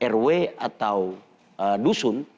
rw atau dusun